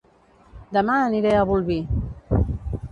Dema aniré a Bolvir